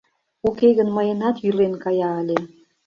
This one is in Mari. Уке гын, мыйынат йӱлен кая ыле.